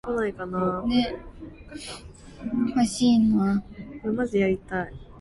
手機語音助手只可以做好特定範疇嘅嘢